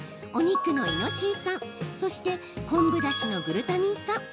お肉のイノシン酸そして昆布だしのグルタミン酸。